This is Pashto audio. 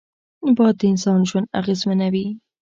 باد د انسان ژوند اغېزمنوي